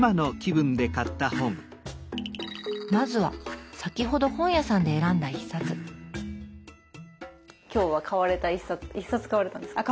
まずは先ほど本屋さんで選んだ一冊今日は買われた１冊１冊買われたんですか？